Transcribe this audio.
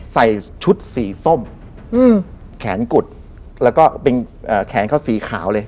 ใส่ชุดสีส้มแขนกุดแล้วก็เป็นแขนเขาสีขาวเลย